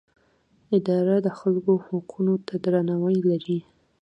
اداره د خلکو حقونو ته درناوی لري.